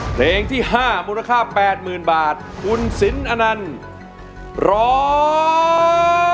เพลงที่๕มูลค่า๘๐๐๐บาทคุณสินอนันต์ร้อง